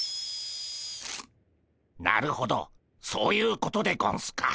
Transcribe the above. なるほどそういうことでゴンスか。